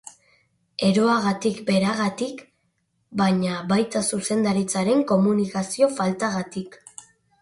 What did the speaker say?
Eroagatik beragatik, baina baita zuzendaritzaren komunikazio faltagatik.